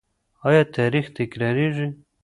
آیا تاریخ تکراریږي؟